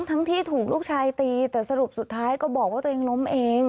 ทั้งที่ถูกลูกชายตีแต่สรุปสุดท้ายก็บอกว่าตัวเองล้มเอง